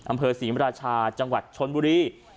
อำเภอศรีมราชาจังหวัดชนบุรี